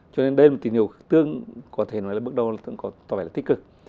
cho nên đây là một tín hiệu có thể nói là bước đầu tỏ vẻ là tích cực